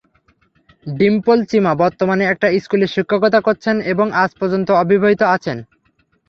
ডিম্পল চিমা বর্তমানে একটা স্কুলে শিক্ষকতা করছেন এবং আজ পর্যন্ত অবিবাহিত আছেন।